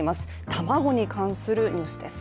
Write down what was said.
卵に関するニュースです。